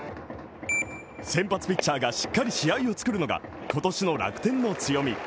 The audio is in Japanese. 先発ピッチャーがしっかり試合を作るのが今年の楽天の強み。